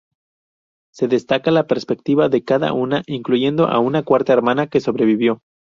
Se destaca la perspectiva de cada una, incluyendo a una cuarta hermana que sobrevivió.